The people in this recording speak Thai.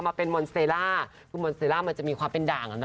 มาเป็นมอนเซล่าคือมอนเซล่ามันจะมีความเป็นด่าง